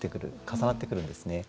重なってくるんですね。